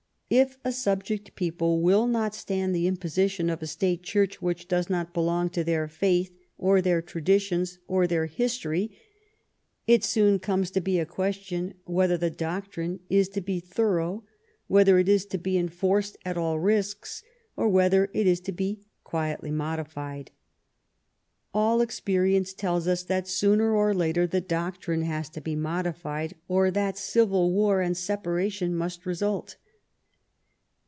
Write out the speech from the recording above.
If a subject people wall not stand the imposition of a State Church which does not belong to their faith or their traditions or their history, it soon comes to be a question whether the doctrine is to be thorough, whether it is to be en forced at all risks, or whether it is to be quietly modified. All experience tells us that, sooner or later, the doctrine has to be modified or that civil war and separation must result.